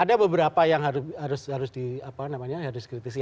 ada beberapa yang harus di apa namanya harus dikritisi